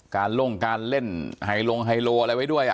ลงการเล่นไฮลงไฮโลอะไรไว้ด้วย